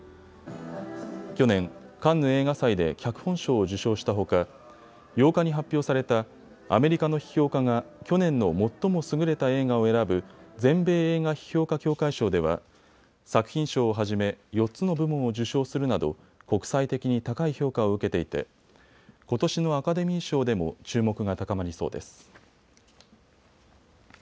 去年、カンヌ映画祭で脚本賞を受賞したほか８日に発表されたアメリカの批評家が去年の最も優れた映画を選ぶ全米映画批評家協会賞では、作品賞をはじめ４つの部門を受賞するなど国際的に高い評価を受けていてことしのアカデミー賞でも注目が高まりそうです。